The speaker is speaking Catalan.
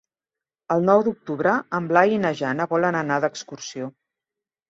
El nou d'octubre en Blai i na Jana volen anar d'excursió.